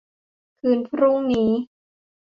คืนพรุ่งนี้